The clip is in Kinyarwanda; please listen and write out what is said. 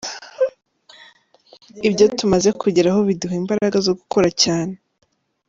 Ibyo tumaze kugeraho biduha imbaraga zo gukora cyane.